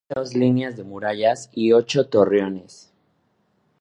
Se compone de dos líneas de murallas y ocho torreones.